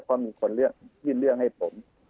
เพราะมีคนยื่นเรื่องให้ผม